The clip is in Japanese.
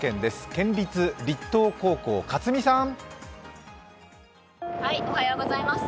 県立栗東高校、勝見さん。